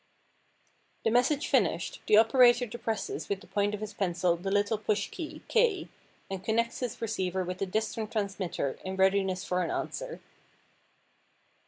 The message finished, the operator depresses with the point of his pencil the little push key, K, and connects his receiver with the distant transmitter in readiness for an answer.